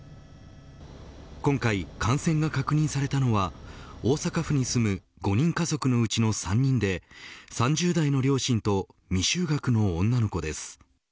今回、感染が確認されたのは大阪府に住む５人家族のうちの３人で３０代の両親と未就学の女の子です。